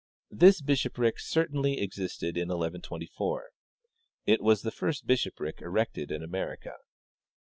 This bishopric certainly ex isted in 1124. It was the first bishopric erected in America.